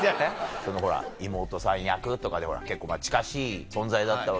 そのほら妹さん役とかで結構近しい存在だったわけじゃない。